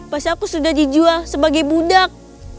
pasti aku sudah dijual sebagai budak